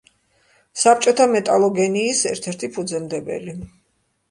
საბჭოთა მეტალოგენიის ერთ-ერთი ფუძემდებელი.